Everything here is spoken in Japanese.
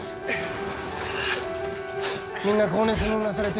みんな高熱にうなされて。